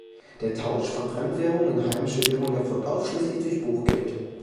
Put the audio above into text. Der Tausch von Fremdwährungen in heimische Währung erfolgt ausschließlich durch Buchgeld.